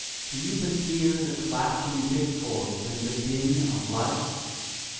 Do you but hear the clashing discords and the din of life?